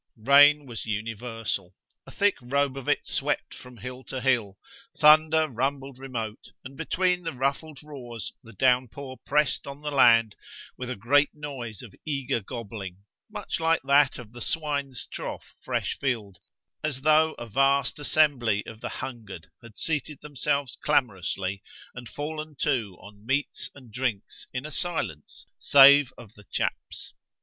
Rain was universal; a thick robe of it swept from hill to hill; thunder rumbled remote, and between the ruffled roars the downpour pressed on the land with a great noise of eager gobbling, much like that of the swine's trough fresh filled, as though a vast assembly of the hungered had seated themselves clamorously and fallen to on meats and drinks in a silence, save of the chaps.